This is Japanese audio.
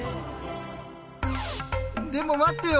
でも待ってよ。